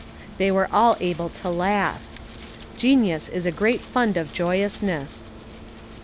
They were all able to laugh. Genius is a great fund of joyousness.